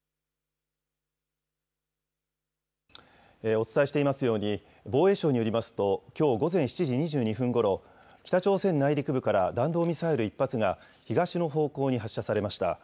お伝えしていますように、防衛省によりますと、きょう午前７時２２分ごろ、北朝鮮内陸部から弾道ミサイル１発が、東の方向に発射されました。